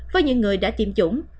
với những người đã tiêm chủng